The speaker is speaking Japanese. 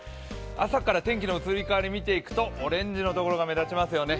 朝から天気の移り変わりを見ていくと、オレンジのところが目立ちますよね。